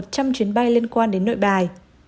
một trăm linh chuyến bay liên quan đến nội bài